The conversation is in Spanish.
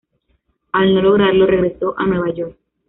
Al no lograrlo, regresó a Nueva York.